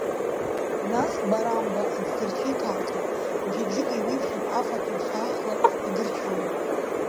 Нас барамба аӡҭарчы иҭарҵоит, мчыбжьык еиуеиԥшым фатәы лыԥшаахла идырчоит.